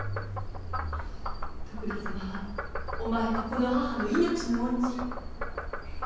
徳田様はお前とこの母の命の恩人。